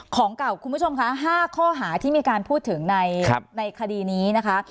ของเก่าคุณผู้ชมคะ๕ข้อหาที่มีการพูดถึงในคดีนี้นะคะ